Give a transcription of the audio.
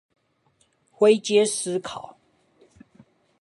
灰階思考